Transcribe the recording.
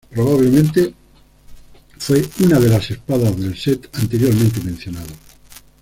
Probablemente fue una de las espadas del set anteriormente mencionado.